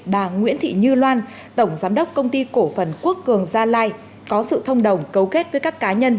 bà nguyễn thị như loan tổng giám đốc công ty cổ phần quốc cường gia lai có sự thông đồng cấu kết với các cá nhân